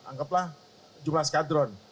anggaplah jumlah skadron